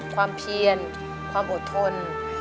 ความเพียรความอดทน